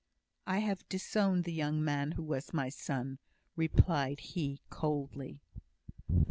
"I have disowned the young man who was my son," replied he, coldly.